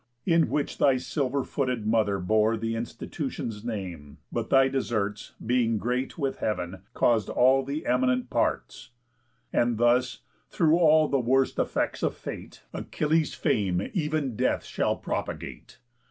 In which thy silver footed mother bore The institution's name, but thy deserts, Being great with heav'n, caus'd all the eminent parts. And thus, through all the worst effects of Fate, Achilles' fame ev'n Death shall propagate.